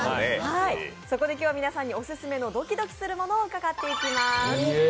そこで今日は皆さんにオススメのドキドキするものを伺っていきます。